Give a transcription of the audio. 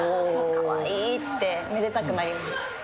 かわいいって、めでたくなります。